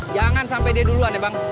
jangan sampai dia duluan ya bang